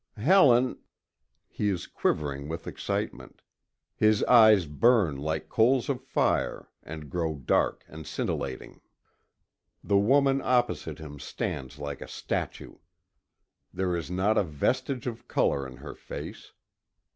Helen " He is quivering with excitement. His eyes burn like coals of fire, and grow dark and scintillating. The woman opposite him stands like a statue. There is not a vestige of color in her face.